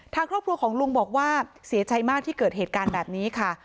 ทางครอบครัวของลุงบอกว่าเสียใจมากที่เกิดเหตุการณ์แบบนี้ค่ะ